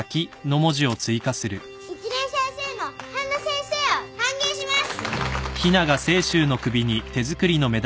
一年先生の半田先生を歓迎します。